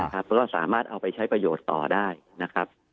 แล้วก็สามารถเอาไปใช้ประโยชน์ต่อได้นะครับ